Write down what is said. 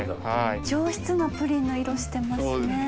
上質なプリンの色してますね。